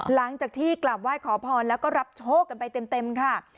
หลังจากที่กลับไหว้ขอพรแล้วก็รับโชคกันไปเต็มค่ะ